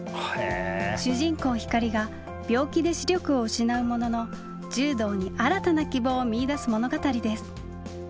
主人公光が病気で視力を失うものの柔道に新たな希望を見いだす物語です。